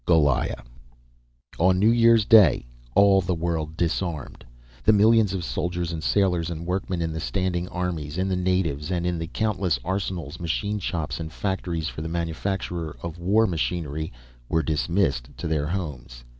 "GOLIAH." On New Year's Day all the world disarmed. The millions of soldiers and sailors and workmen in the standing armies, in the navies, and in the countless arsenals, machine shops, and factories for the manufacture of war machinery, were dismissed to their homes.